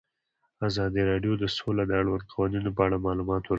ازادي راډیو د سوله د اړونده قوانینو په اړه معلومات ورکړي.